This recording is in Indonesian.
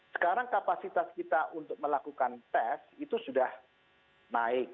sekarang kapasitas kita untuk melakukan tes itu sudah naik